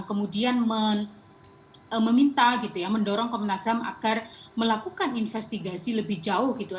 kemudian meminta gitu ya mendorong komnas ham agar melakukan investigasi lebih jauh gitu